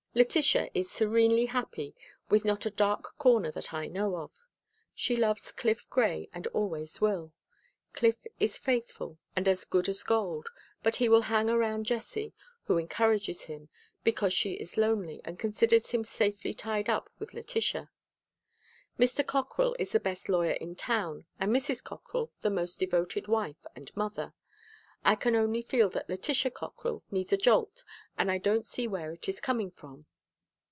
Letitia is serenely happy with not a dark corner that I know of. She loves Cliff Gray and always will. Cliff is faithful and as good as gold, but he will hang around Jessie, who encourages him, because she is lonely and considers him safely tied up with Letitia. Mr. Cockrell is the best lawyer in town and Mrs. Cockrell the most devoted wife and mother. I can only feel that Letitia Cockrell needs a jolt and I don't see where it is coming from.